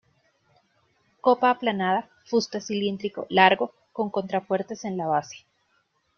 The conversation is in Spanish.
Copa aplanada, fuste cilíndrico, largo, con contrafuertes en la base.